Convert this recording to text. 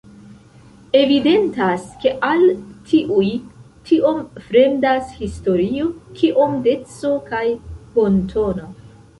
Evidentas, ke al tiuj tiom fremdas historio kiom deco kaj bontono.